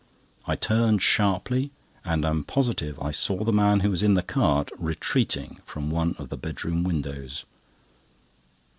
I turned sharply, and am positive I saw the man who was in the cart retreating from one of the bedroom windows.